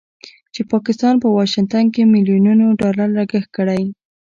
چې پاکستان په واشنګټن کې مليونونو ډالر لګښت کړی